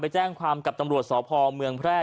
แจ้งความกับตำรวจสพเมืองแพร่